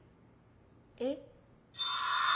えっ？